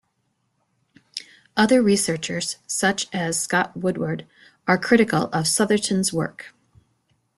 Other researchers such as Scott Woodward are critical of Southerton's work.